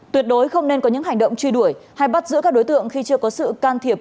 tuyệt đối không nên có những hành động truy đuổi hay bắt giữ các đối tượng khi chưa có sự can thiệp